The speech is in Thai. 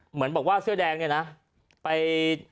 เหมือนบอกว่าเสื้อแดงเนี่ยนะไป